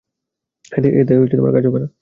এতে কাজ হবেনা।